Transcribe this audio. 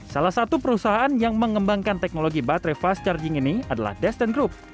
salah satu perusahaan yang mengembangkan teknologi baterai fast charging ini adalah desten group